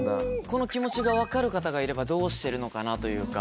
この気持ちが分かる方がいればどうしてるのかなというか。